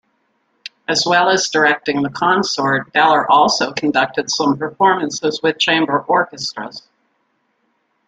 As well as directing the Consort, Deller also conducted some performances with chamber orchestras.